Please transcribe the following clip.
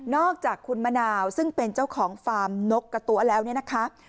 อกจากคุณมะนาวซึ่งเป็นเจ้าของฟาร์มนกกระตั๊วแล้วเนี่ยนะคะ